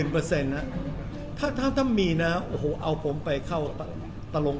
เปอร์เซ็นต์อะถ้าถ้ามีน่ะโอ้หูเอาผมไปเข้าตะลง